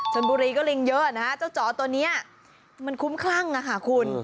ชนบุรีก็ลิงเยอะนะฮะเจ้าจ๋อตัวนี้มันคุ้มคลั่งค่ะคุณ